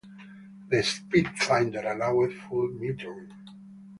The Speed finder allowed full metering.